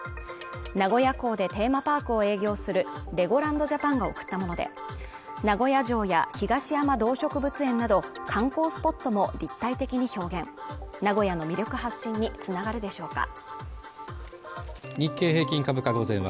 名古屋港でテーマパークを営業するレゴランドジャパンが贈ったもので名古屋城や東山動植物園など観光スポットも立体的に表現名古屋の魅力発信につながるでしょうか